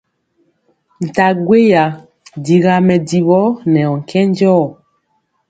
Nta gweya digaa mɛdivɔ nɛ ɔ nkɛnjɔɔ.